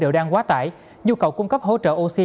đều đang quá tải nhu cầu cung cấp hỗ trợ oxy